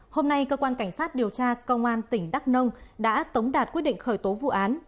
hôm nay cơ quan cảnh sát điều tra công an tỉnh đắk nông đã tống đạt quyết định khởi tố vụ án